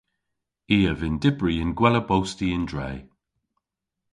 I a vynn dybri y'n gwella bosti y'n dre.